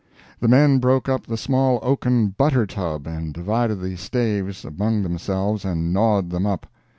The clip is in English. The men broke up the small oaken butter tub and divided the staves among them selves, and gnawed them up.